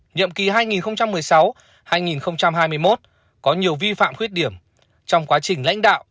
nhiệm kỳ hai nghìn một mươi sáu hai nghìn hai mươi một có nhiều vi phạm khuyết điểm trong quá trình lãnh đạo